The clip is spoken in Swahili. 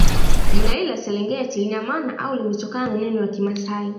Jina hili la Serengeti lina maana au limetokana na neno la kimasai